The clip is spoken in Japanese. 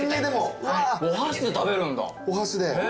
お箸で食べるんだへぇ。